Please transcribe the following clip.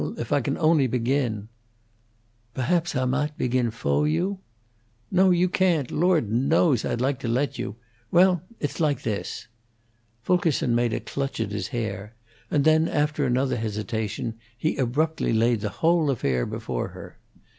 If I can only begin." "Pohaps Ah maght begin fo' you." "No, you can't. Lord knows, I'd like to let you. Well, it's like this." Fulkerson made a clutch at his hair, and then, after another hesitation, he abruptly laid the whole affair before her.